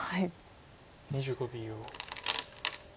２５秒。